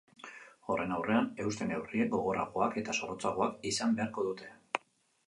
Horren aurrean euste neurriek gogorragoak eta zorrotzagoak izan beharko dute.